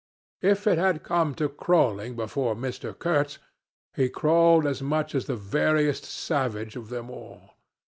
If it had come to crawling before Mr. Kurtz, he crawled as much as the veriest savage of them all.